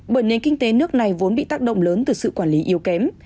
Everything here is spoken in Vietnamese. bởi nền kinh tế nước này vốn bị tác động lớn từ sự quản lý yếu kém